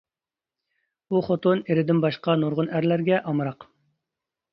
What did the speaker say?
ئۇ خوتۇن ئېرىدىن باشقا نۇرغۇن ئەرلەرگە ئامراق.